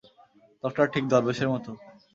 লোকটা ঠিক দরবেশের মতো।